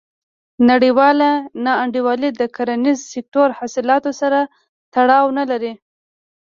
نړیواله نا انډولي د کرنیز سکتور حاصلاتو سره تړاو نه لري.